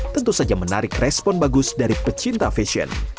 tentu saja menarik respon bagus dari pecinta fashion